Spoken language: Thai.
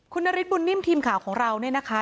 คุณนฤทธบุญนิ่มทีมข่าวของเราเนี่ยนะคะ